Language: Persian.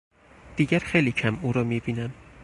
دیگر خیلی کم او را میبینم.